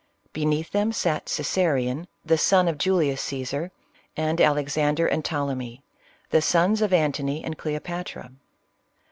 Beneath them sat Caesarion, the son of Julius Caesar, and Alexander and Ptolemy, the sons of Antony and Cleopatra.